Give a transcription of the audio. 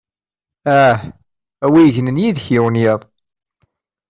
Ah; a wi yegnen yid-k yiwen n yiḍ!